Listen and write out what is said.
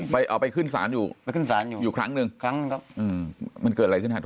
ไปออกไปขึ้นสารอยู่ครั้งหนึ่งครับมันเกิดอะไรขึ้นทั่วนี้